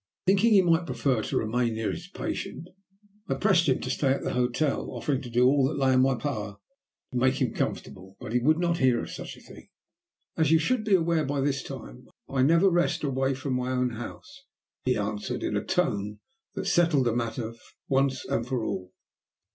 Thinking he might prefer to remain near his patient, I pressed him to stay at the hotel, offering to do all that lay in my power to make him comfortable. But he would not hear of such a thing. "As you should be aware by this time, I never rest away from my own house," he answered, in a tone that settled the matter once and for all.